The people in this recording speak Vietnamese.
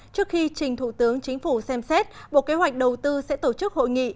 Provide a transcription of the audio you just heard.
trước khi trình thủ tướng chính phủ xem xét bộ kế hoạch đầu tư sẽ tổ chức hội nghị